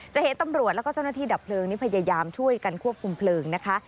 เห็นตำรวจแล้วก็เจ้าหน้าที่ดับเพลิงนี้พยายามช่วยกันควบคุมเพลิงนะคะ